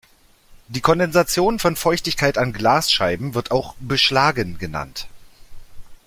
Die Kondensation von Feuchtigkeit an Glasscheiben wird auch "Beschlagen" genannt.